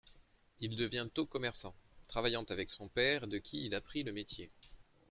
Il devient tôt commerçant, travaillant avec son père de qui il apprit le métier.